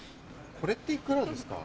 これって幾らですか？